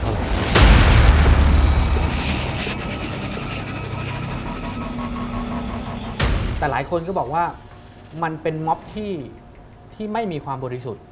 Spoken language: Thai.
แต่หลายคนก็บอกว่ามันเป็นม็อบที่ไม่มีความบริสุทธิ์